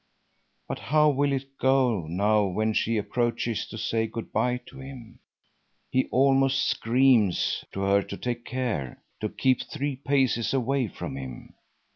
But how will it go now when she approaches to say good bye to him? He almost screams to her to take care, to keep three paces away from him.